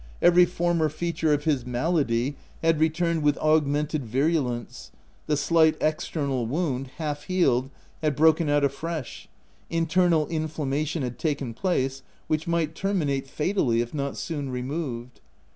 Every former feature of his malady had returned with augmented virulence: the slight external wound, half healed, had broken out afresh ; internal infla mation had taken place, which might terminate 234 THE TENANT fatally if not soon removed.